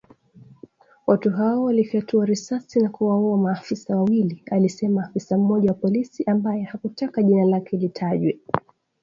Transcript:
Watu hao walifyatua risasi na kuwaua maafisa wawili, alisema afisa mmoja wa polisi ambaye hakutaka jina lake litajwe.